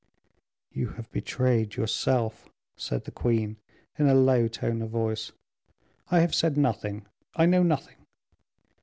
"You have betrayed yourself," said the queen, in a low tone of voice. "I have said nothing, I know nothing."